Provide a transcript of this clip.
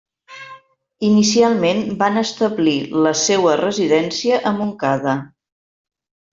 Inicialment van establir la seua residència a Montcada.